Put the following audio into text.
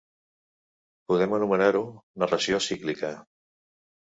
Podem anomenar-ho: narració cíclica.